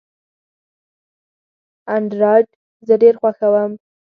انډرایډ زه ډېر خوښوم.